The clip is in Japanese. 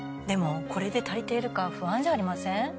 でもこれで足りているか不安じゃありません？